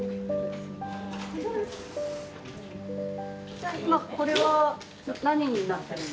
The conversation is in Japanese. じゃあ今これは何になってるんですか？